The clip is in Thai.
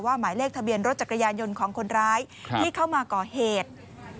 หมายเลขทะเบียนรถจักรยานยนต์ของคนร้ายที่เข้ามาก่อเหตุ